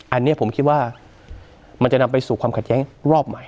อันนี้ผมคิดว่ามันจะนำไปสู่ความขัดแย้งรอบใหม่